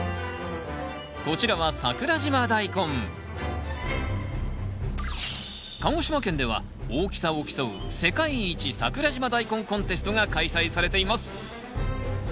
こちらは鹿児島県では大きさを競う世界一桜島大根コンテストが開催されています。